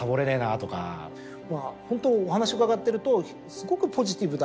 ホントお話伺ってると。